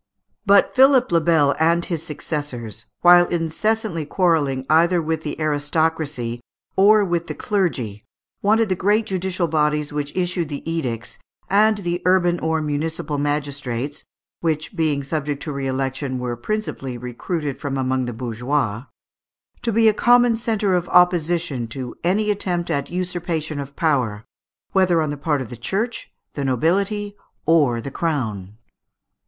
But Philippe le Bel and his successors, while incessantly quarrelling either with the aristocracy or with the clergy, wanted the great judicial bodies which issued the edicts, and the urban or municipal magistrates which, being subject to re election, were principally recruited from among the bourgeois to be a common centre of opposition to any attempt at usurpation of power, whether on the part of the Church, the nobility, or the crown.